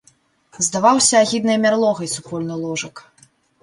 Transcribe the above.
Здаваўся агіднай мярлогай супольны ложак.